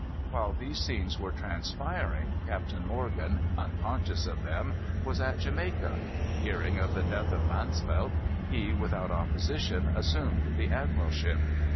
While these scenes were transpiring, Captain Morgan, unconscious of them, was at Jamaica. Hearing of the death of Mansvelt, he, without opposition, assumed the admiralship.